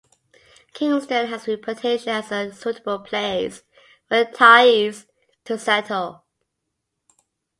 Kingston has a reputation as a suitable place for retirees to settle.